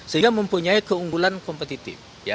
sehingga mempunyai keunggulan kompetitif